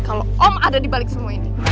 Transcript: kalau om ada di balik semua ini